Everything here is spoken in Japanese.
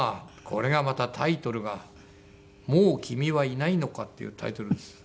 これがまたタイトルが『もう君はいないのか』っていうタイトルです。